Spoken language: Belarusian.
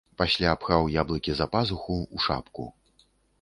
Пасля пхаў яблыкі за пазуху, у шапку.